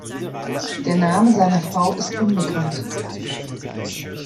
Der Name seiner Frau ist unbekannt.